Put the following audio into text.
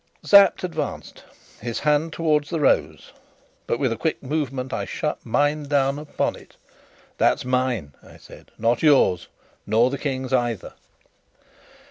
Sapt advanced his hand towards the rose, but, with a quick movement, I shut mine down upon it. "That's mine," I said, "not yours nor the King's either."